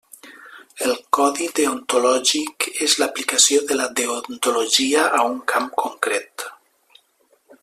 El codi deontològic és l'aplicació de la deontologia a un camp concret.